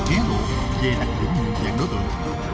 ghé hồi về hạt vụ những dạng đối tượng